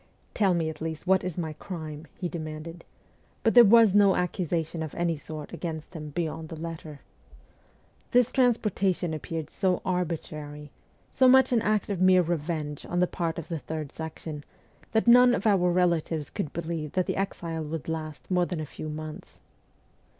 ' Tell me, at least, what is my crime,' he demanded ; but there was no accusation of any sort against him beyond the letter. This transportation appeared so arbitrary, so much an act of mere revenge on the part of THE FORTRESS 157 the Third Section, that none of our relatives could believe that the exile would last more than a few months.